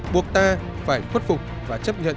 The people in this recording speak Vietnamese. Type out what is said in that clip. buộc ta phải khuất phục và chấp nhận